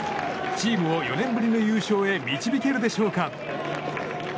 チームを４年ぶりの優勝へ導けるでしょうか。